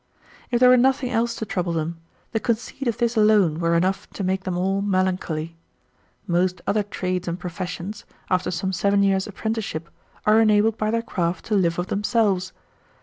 If there were nothing else to trouble them, the conceit of this alone were enough to make them all melancholy. Most other trades and professions, after some seven years' apprenticeship, are enabled by their craft to live of themselves.